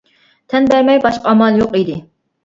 تەن بەرمەي باشقا ئامالى يوق ئىدى.